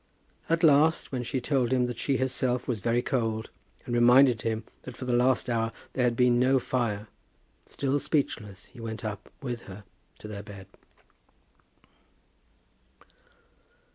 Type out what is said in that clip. At last, when she told him that she herself was very cold, and reminded him that for the last hour there had been no fire, still speechless, he went up with her to their bed.